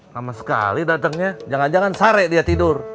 lama sekali datengnya jangan jangan sare dia tidur